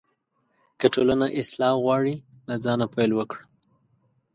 که ټولنه اصلاح غواړې، له ځانه پیل وکړه.